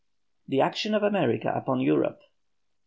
THE ACTION OF AMERICA UPON EUROPE.